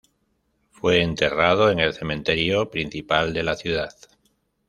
Fue enterrado en el cementerio principal de la ciudad.